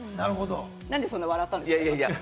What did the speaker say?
なんでそんな笑ったんですか？